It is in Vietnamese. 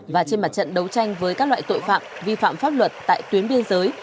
và trên mặt trận đấu tranh với các loại tội phạm vi phạm pháp luật tại tuyến biên giới